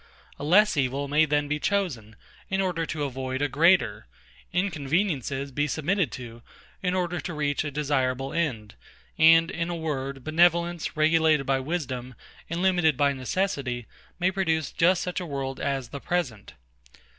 A less evil may then be chosen, in order to avoid a greater; inconveniences be submitted to, in order to reach a desirable end; and in a word, benevolence, regulated by wisdom, and limited by necessity, may produce just such a world as the present.